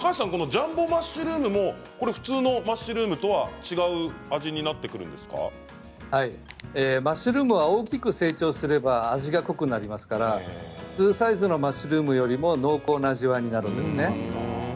ジャンボマッシュルームも普通のマッシュルームとはマッシュルームは大きく成長すれば味が濃くなりますから普通のサイズのマッシュルームよりも濃厚な味わいになるんですね。